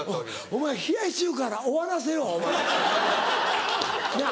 お前冷やし中華終わらせようお前。なぁ